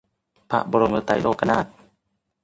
พระบรมไตรโลกนาถ